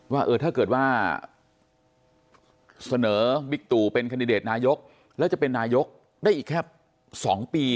ว่าถ้าเกิดว่าเสนอบิ๊กตู่เป็นคันดิเดตนายกแล้วจะเป็นนายกได้อีกแค่๒ปี